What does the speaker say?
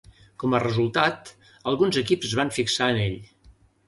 Com a resultat, alguns equips es van fixar en ell.